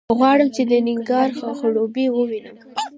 غواړم چې د نېګارا ځړوبی ووینم.